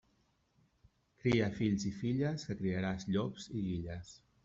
Cria fills i filles, que criaràs llops i guilles.